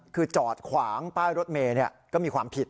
คือจอดขวางป้ายรถเมย์ก็มีความผิด